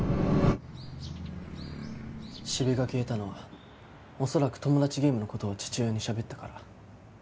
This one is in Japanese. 四部が消えたのは恐らくトモダチゲームの事を父親にしゃべったから。